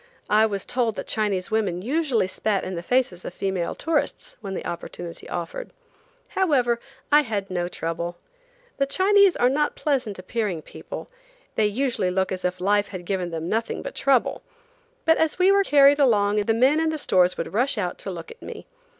I was told that Chinese women usually spat in the faces of female tourists when the opportunity offered. However, I had no trouble. The Chinese are not pleasant appearing people; they usually look as if life had given them nothing but trouble; but as we were carried along the men in the stores would rush out to look at me.